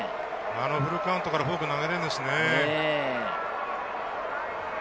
あのフルカウントからフォークを投げるんですね。